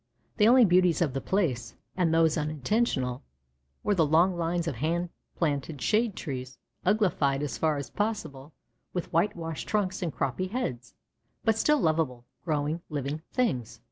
The only beauties of the place, and those unintentional, were the long lines of hand planted shade trees, uglified as far as possible with whitewashed trunks and croppy heads, but still lovable, growing, living things.